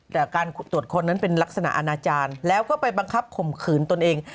แต่การตรวจค้นนั้นเป็นลักษณะอาณาจารย์แล้วก็ไปบังคับข่มขืนตนเอง